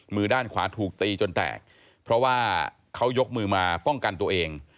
มือด้านขวาถูกตีจนแตกเพราะว่าเขายกมือมาป้องกันตัวเอง